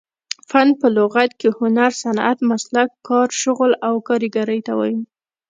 فن په لغت کښي هنر، صنعت، مسلک، کار، شغل او کاریګرۍ ته وايي.